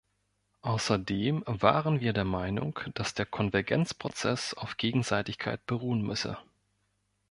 Außerdem waren wir der Meinung, dass der Konvergenzprozess auf Gegenseitigkeit beruhen müsse.